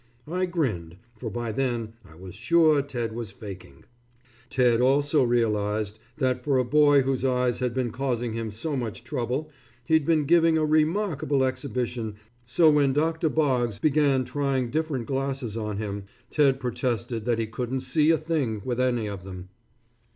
I grinned, for by then I was sure Ted was faking. Ted also realized that for a boy whose eyes had been causing him so much trouble, he'd been giving a remarkable exhibition so when Doctor Boggs began trying different glasses on him, Ted protested that he couldn't see a thing with any of them.